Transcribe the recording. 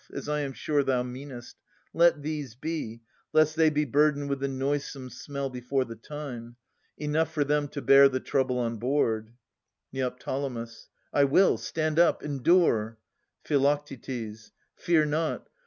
As I am sure thou meanest. Let these be, Lest they be burdened with the noisome smell Before the time. Enough for them to bear The trouble on board. Neo. I will; stand up, endure! Phi. Fear not.